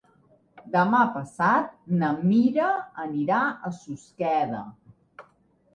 Demà passat na Mira anirà a Susqueda.